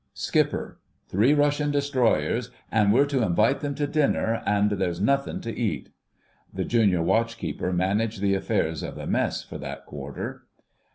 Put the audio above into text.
"Skipper: three Russian Destroyers, an' we're to invite them to dinner, an' there's nothing to eat." The Junior Watch keeper managed the affairs of the Mess for that quarter.